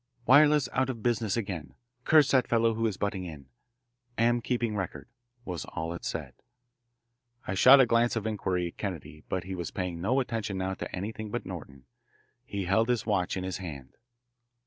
"Wireless out of business again. Curse that fellow who is butting in. Am keeping record," was all it said. I shot a glance of inquiry at Kennedy, but he was paying no attention now to anything but Norton. He held his watch in his hand.